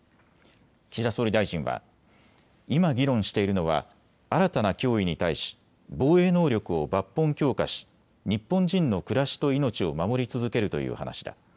岸田総理大臣は今、議論しているのは新たな脅威に対し防衛能力を抜本強化し日本人の暮らしと命を守り続けるという話だ。